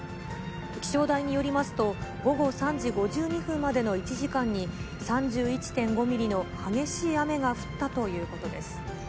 気象台によりますと、午後３時５２分までの１時間に、３１．５ミリの激しい雨が降ったということです。